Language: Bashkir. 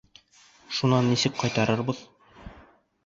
Шунан нисек ҡайтарырбыҙ?